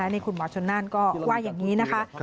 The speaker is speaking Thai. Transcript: นี่คุณหมอชนนั่นก็ว่าอย่างนี้นะคะ